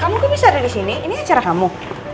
kamu kok bisa ada di sini ini acara kamu